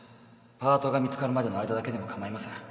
パートが見つかるまでの間だけでも構いません